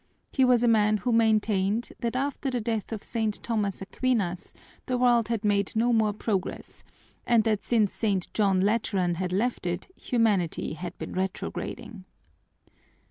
He was a man who maintained that after the death of St. Thomas Aquinas the world had made no more progress, and that since St. John Lateran had left it, humanity had been retrograding.